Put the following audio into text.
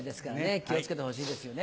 気を付けてほしいですよね。